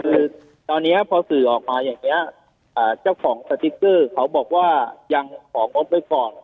คือตอนนี้พอสื่อออกมาอย่างนี้เจ้าของสติ๊กเกอร์เขาบอกว่ายังของงดไว้ก่อน